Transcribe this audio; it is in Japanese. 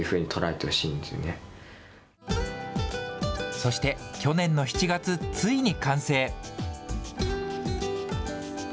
そして去年の７月、ついに完成。